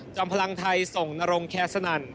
พลังไทยส่งนรงแคสนั่น